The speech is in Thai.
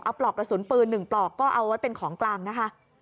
เอาปลอกกระสุนปืน๑ปลอกก็เอาไว้เป็นของกลางนะคะ